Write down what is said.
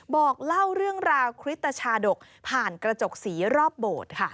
บอกเล่าเรื่องราวคริสตชาดกผ่านกระจกสีรอบโบสถ์ค่ะ